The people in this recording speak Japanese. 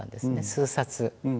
数冊。